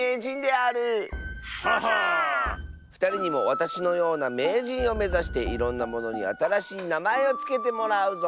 ふたりにもわたしのようなめいじんをめざしていろんなものにあたらしいなまえをつけてもらうぞ。